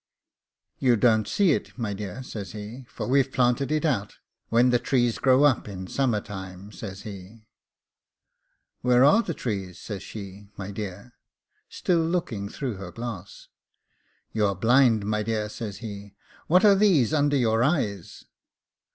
'You don't see it, my dear,' says he, 'for we've planted it out; when the trees grow up in summer time ' says he. 'Where are the trees,' said she, 'my dear?' still looking through her glass. 'You are blind, my dear,' says he; 'what are these under your eyes?